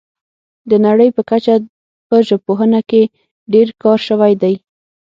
د نړۍ په کچه په ژبپوهنه کې ډیر کار شوی دی